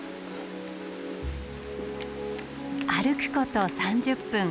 歩くこと３０分。